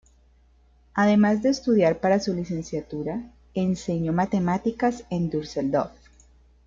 Además de estudiar para su licenciatura, enseñó matemáticas en Düsseldorf.